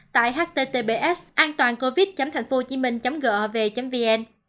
tại https antoancovid thp gov vn